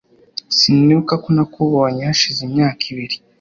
sinibuka ko nakubonye hashize imyaka ibiri